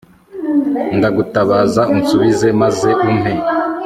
ndagutabaza, unsubize, maze umpe